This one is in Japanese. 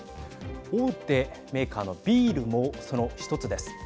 大手メーカーのビールもその１つです。